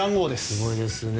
すごいですね。